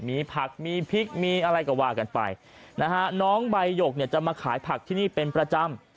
มีผักมีพริกมีอะไรก็ว่ากันไปนะฮะน้องใบหยกเนี่ยจะมาขายผักที่นี่เป็นประจำ